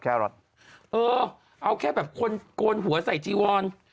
เออเอาแค่แบบคนโกนหัวใส่จีวอน